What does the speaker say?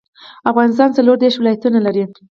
افغانستان څلوردیش ولایتونه لري.